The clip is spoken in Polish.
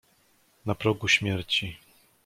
"Na progu śmierci."